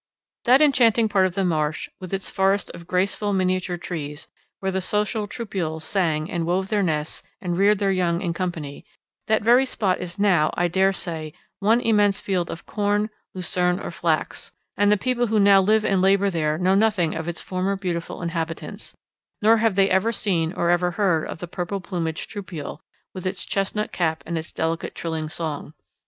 That enchanting part of the marsh, with its forest of graceful miniature trees, where the social trupials sang and wove their nests and reared their young in company that very spot is now, I dare say, one immense field of corn, lucerne, or flax, and the people who now live and labour there know nothing of its former beautiful inhabitants, nor have they ever seen or even heard of the purple plumaged trupial, with its chestnut cap and its delicate trilling song.